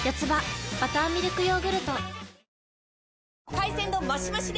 海鮮丼マシマシで！